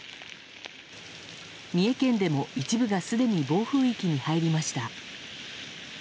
三重県でも一部がすでに暴風域に入りました。